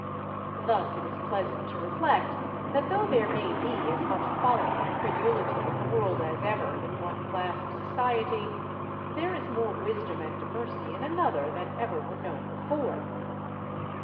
Thus it is pleasant to reflect, that though there may be as much folly and credulity in the world as ever in one class of society, there is more wisdom and mercy in another than ever were known before.